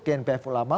gen pf ulama